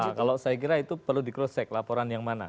nah kalau saya kira itu perlu dikerosek laporan yang mana